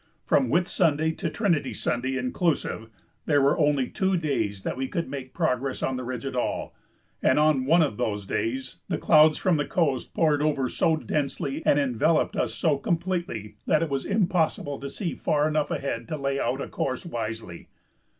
From Whitsunday to Trinity Sunday, inclusive, there were only two days that we could make progress on the ridge at all, and on one of those days the clouds from the coast poured over so densely and enveloped us so completely that it was impossible to see far enough ahead to lay out a course wisely.